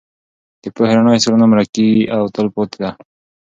د پوهې رڼا هېڅکله نه مړکېږي او تل پاتې ده.